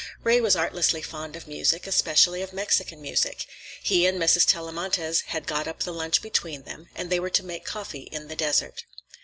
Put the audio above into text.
Ray was artlessly fond of music, especially of Mexican music. He and Mrs. Tellamantez had got up the lunch between them, and they were to make coffee in the desert.